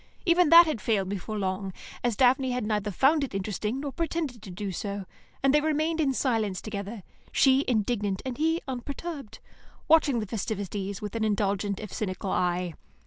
Even that had failed before long, as Daphne had neither found it interesting nor pretended to do so, and they remained in silence together, she indignant and he unperturbed, watching the festivities with an indulgent, if cynical, eye.